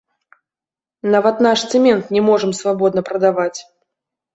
Нават наш цэмент не можам свабодна прадаваць.